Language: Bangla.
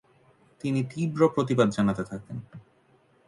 তিনি তীব্র প্রতিবাদ জনাতে থাকেন।